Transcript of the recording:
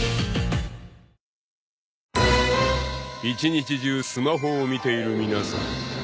［一日中スマホを見ている皆さん］